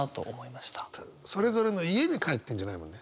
それぞれの家に帰ってるんじゃないもんね。